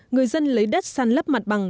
người dân lấy đất săn lấp mặt bằng